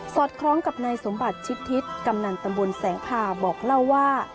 อดคล้องกับนายสมบัติชิดทิศกำนันตำบลแสงพาบอกเล่าว่า